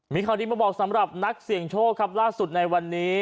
มีข่าวดีมาบอกสำหรับนักเสี่ยงโชคครับล่าสุดในวันนี้